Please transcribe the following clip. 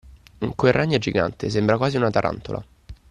Quel ragno è gigante, sembra quasi una tarantola!